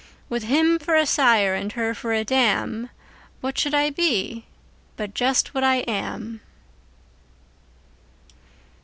With him for a sire and her for a dam, What should I be but just what I am?